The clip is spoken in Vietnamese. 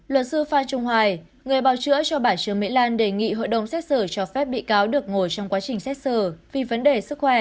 luật sư phan trung hoài người bảo chữa cho bà trương mỹ lan đề nghị hội đồng xét xử cho phép bị cáo được ngồi trong quá trình xét xử vì vấn đề sức khỏe